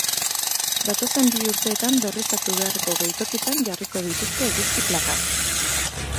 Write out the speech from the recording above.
Datozen bi urteetan berriztatu beharreko geltokietan jarriko dituzte eguzki plakak.